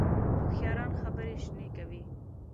هوښیاران خبرې شنې کوي